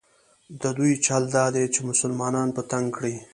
د دوی چل دا دی چې مسلمانان په تنګ کړي.